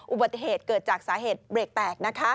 อุบัติเหตุเกิดจากสาเหตุเบรกแตก